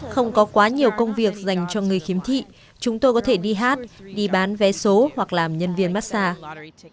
không có quá nhiều công việc dành cho người khiếm thị chúng tôi có thể đi hát đi bán vé số hoặc làm nhân viên massage